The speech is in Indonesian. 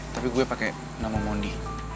tapi gue pakai nama mondi